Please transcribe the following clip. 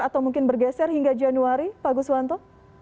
atau mungkin bergeser hingga januari pak guswanto